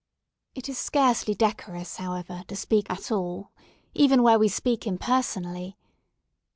It is scarcely decorous, however, to speak all, even where we speak impersonally.